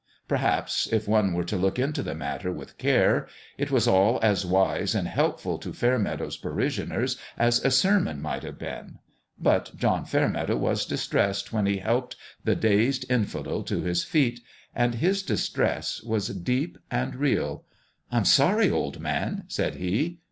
Perhaps if one were to look into the matter with care it was all as wise and 122 BILLY the BEASr STARTS HOME helpful to Fairmeadow's parishioners as a sermon might have been. But John Fairmeadow was distressed when he helped the dazed Infidel to his feet ; and his distress was deep and real. "I'm sorry, old man," said he.